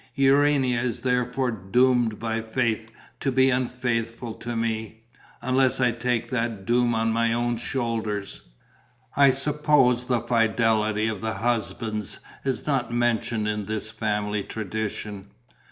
Urania is therefore doomed by fate to be unfaithful to me. Unless I take that doom on my own shoulders...." "I suppose the fidelity of the husbands is not mentioned in this family tradition?"